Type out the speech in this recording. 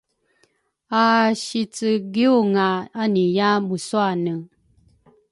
Asicegiwnga aniiya muswane